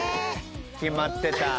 決まってた。